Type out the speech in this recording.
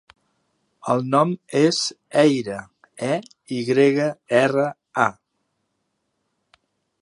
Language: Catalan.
El nom és Eyra: e, i grega, erra, a.